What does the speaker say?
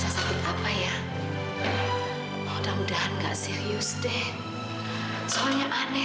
sampai jumpa di video selanjutnya